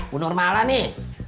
bu nur malah nih